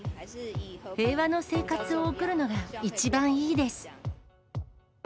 平和の生活を送るのが一番いいです。